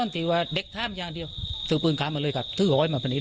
ที่ว่าเด็กท่ามอย่างเดียวซื้อปืนขามาเลยครับซื้ออ้อยมาพันอีก